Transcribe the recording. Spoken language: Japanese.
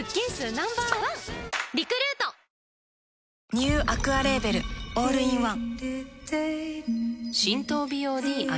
ニューアクアレーベルオールインワン